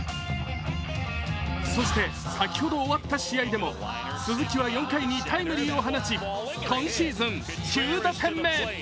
そして、先ほど終わった試合でも、鈴木は４回にタイムリーを放ち今シーズン１０打点目。